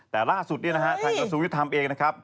แต่ล่าสุดประสูจน์วิทยาธรรมเองนะครับ